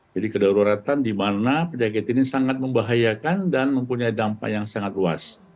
jadi kedaruratan di mana penyakit ini sangat membahayakan dan mempunyai dampak yang sangat luas